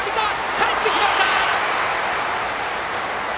かえってきました！